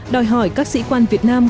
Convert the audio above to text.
đòi hỏi các sĩ quan việt nam